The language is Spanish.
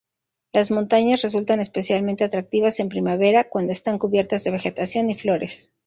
Las montañas resultan especialmente atractivas en primavera, cuando están cubiertas de vegetación y flores.